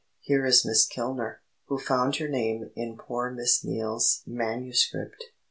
"Here is Miss Kilner, who found your name in poor Miss Neale's manuscript.